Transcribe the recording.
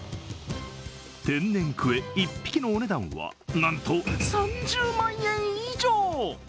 天然クエ１匹のお値段はなんと３０万円以上！